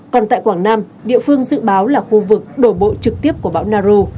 còn tại quảng nam địa phương dự báo là khu vực đổ bộ trực tiếp của bão nau